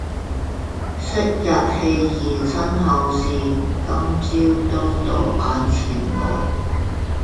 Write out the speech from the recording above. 昔日戲言身后事，今朝都到眼前來。